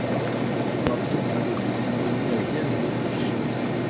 Martin Dragosits est né à Vienne en Autriche.